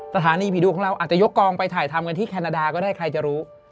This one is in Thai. สถานีผีดุของเราอาจจะยกกองไปถ่ายทำกันที่แคนาดาก็ได้ใครจะรู้